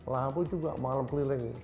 lampu juga malem keliling